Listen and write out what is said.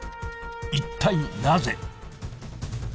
一体なぜ？